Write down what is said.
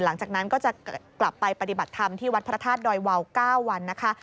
หลังจากนั้นก็จะกลับไปปฏิบัติธรรมที่วัดพระธาตุดอยวาว๙วันนะคะ